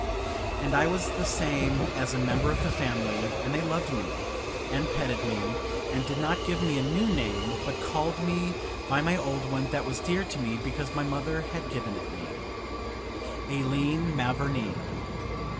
And I was the same as a member of the family; and they loved me, and petted me, and did not give me a new name, but called me by my old one that was dear to me because my mother had given it me Aileen Mavourneen.